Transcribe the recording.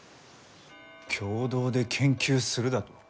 共同で研究するだと？